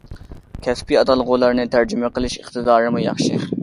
كەسپىي ئاتالغۇلارنى تەرجىمە قىلىش ئىقتىدارىمۇ ياخشى.